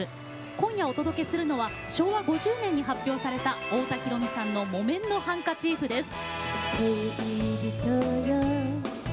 今夜お届けするのは昭和５０年に発表された太田裕美さんの「木綿のハンカチーフ」です。